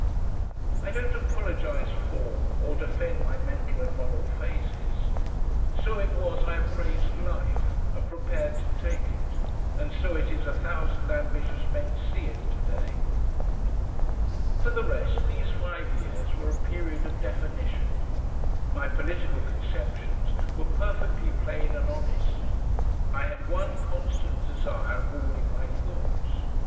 I don't apologise for, or defend my mental and moral phases. So it was I appraised life and prepared to take it, and so it is a thousand ambitious men see it to day.... For the rest these five years were a period of definition. My political conceptions were perfectly plain and honest. I had one constant desire ruling my thoughts.